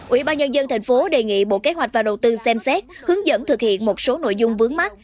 ubnd tp hcm đề nghị bộ kế hoạch và đầu tư xem xét hướng dẫn thực hiện một số nội dung vướng mắt